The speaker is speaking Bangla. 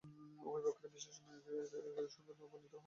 উভয় প্রকার বিশ্লেষণই একই সত্যে উপনীত হইয়াছে।